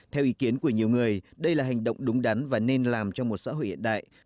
theo ý kiến của nhiều người đây là hành động đúng đắn và nên làm cho một xã hội hiện đại